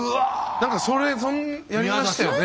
何かそれやりましたよね。